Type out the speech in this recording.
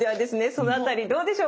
そのあたりどうでしょうか？